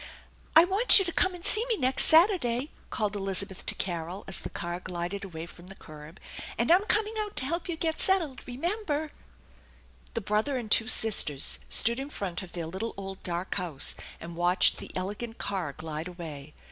" I want you to come and see me next Saturday," called Elizabeth to Carol as the car glided away from the curb ;" and I'm coming out to help you get settled, remember !" The brother and two sisters stood in front of their little old dark house, and watched the elegant car glide away.